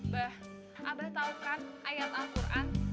abah abah tahu kan ayat al quran